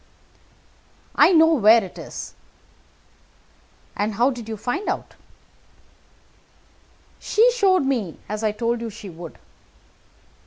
"I know where it is." "And how did you find out?" "She showed me, as I told you that she would."